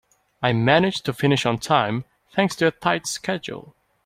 I managed to finish on time thanks to a tight schedule.